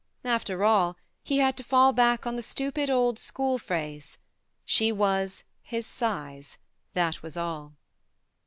After all, he had to fall back on the stupid old school phrase : she was " his size " that was all.